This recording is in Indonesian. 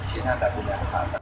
china tidak punya hak atas